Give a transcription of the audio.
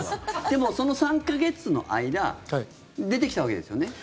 でも、その３か月の間出てきたわけですよね。